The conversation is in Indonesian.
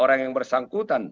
orang yang bersangkutan